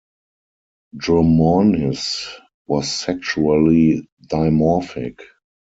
"Dromornis" was sexually dimorphic.